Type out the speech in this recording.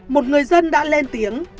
một người dân đã lên tiếng